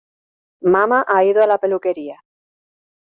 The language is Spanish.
Mama ha ido a la peluquería.